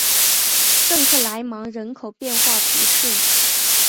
圣克莱芒人口变化图示